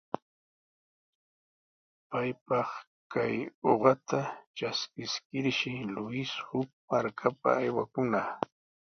Paypaq kaq uqata traskiskirshi Luis huk markapa aywakunaq.